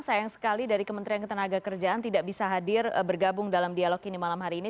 sayang sekali dari kementerian ketenaga kerjaan tidak bisa hadir bergabung dalam dialog ini malam hari ini